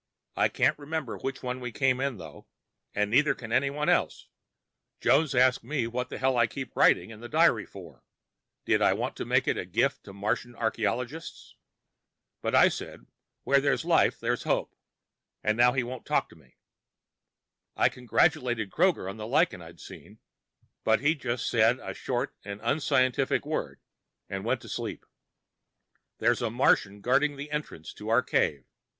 I can't remember which one we came in through, and neither can anyone else. Jones asked me what the hell I kept writing in the diary for, did I want to make it a gift to Martian archeologists? But I said where there's life there's hope, and now he won't talk to me. I congratulated Kroger on the lichen I'd seen, but he just said a short and unscientific word and went to sleep. There's a Martian guarding the entrance to our cave.